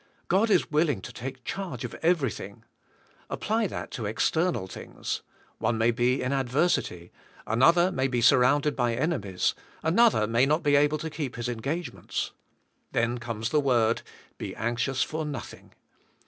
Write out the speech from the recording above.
God is willing" to take charge of everything". Apply that to exter nal thing"s. One may be in adversity, another may be surrounded by enemies, another may not be able to keep his eng"ag"ements. There comes the word, '' Be anxious for nothing".